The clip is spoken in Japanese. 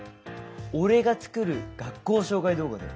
俺が作る学校紹介動画だよ。